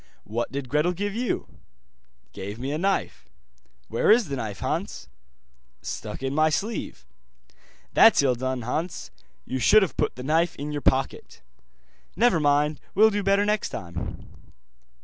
'What did Gretel give you?' 'Gave me a knife.' 'Where is the knife, Hans?' 'Stuck in my sleeve.' 'That's ill done, Hans, you should have put the knife in your pocket.' 'Never mind, will do better next time.